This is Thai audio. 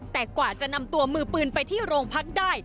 แต่กว่าจะนำตัวมือปืนไปที่โรงพักได้